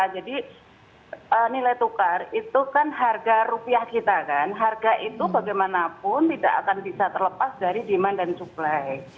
jadi nilai tukar itu kan harga rupiah kita kan harga itu bagaimanapun tidak akan bisa terlepas dari demand dan supply